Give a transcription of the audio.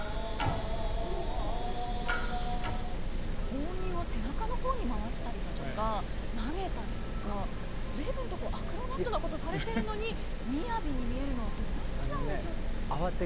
扇を背中の方に回したりだとか投げたりとか随分とアクロバットなことされてるのに雅に見えるのはどうしてなんでしょうって。